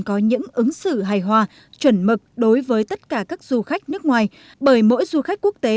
có những ứng xử hài hòa chuẩn mực đối với tất cả các du khách nước ngoài bởi mỗi du khách quốc tế